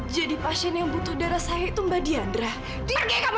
jadi mbak dianda bersumpah seperti itu